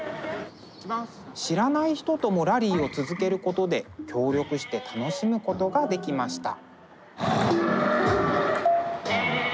知らない人ともラリーを続けることで協力して楽しむことができました。